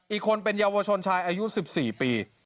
อีกคนเป็นเยาวชนชายอายุ๑๔ปี